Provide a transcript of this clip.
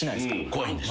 怖いんです。